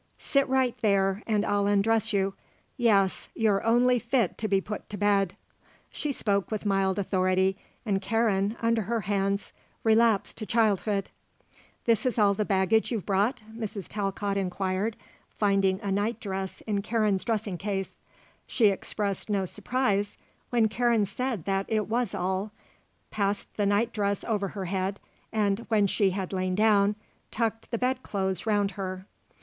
Sit right there and I'll undress you. Yes; you're only fit to be put to bed." She spoke with mild authority, and Karen, under her hands, relapsed to childhood. "This all the baggage you've brought?" Mrs. Talcott inquired, finding a nightdress in Karen's dressing case. She expressed no surprise when Karen said that it was all, passed the nightdress over her head and, when she had lain down, tucked the bed clothes round her.